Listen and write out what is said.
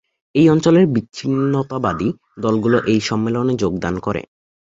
ওই অঞ্চলের বিচ্ছিন্নতাবাদী দলগুলো এই সম্মেলনে যোগদান করে।